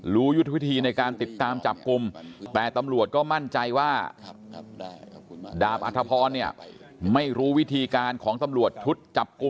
ยุทธวิธีในการติดตามจับกลุ่มแต่ตำรวจก็มั่นใจว่าดาบอัธพรเนี่ยไม่รู้วิธีการของตำรวจชุดจับกลุ่ม